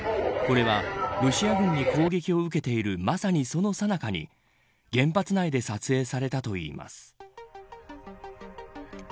これは、ロシア軍に攻撃を受けているまさにそのさなかに原発内で撮影されたといいます。